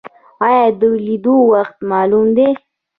ایا د لیدلو وخت معلوم دی؟